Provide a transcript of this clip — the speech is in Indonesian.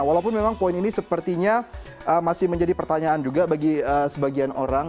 walaupun memang poin ini sepertinya masih menjadi pertanyaan juga bagi sebagian orang